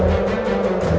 b mehr besarnya s lima ratus